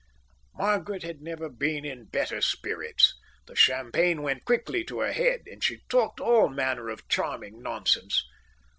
Margaret had never been in better spirits. The champagne went quickly to her head, and she talked all manner of charming nonsense.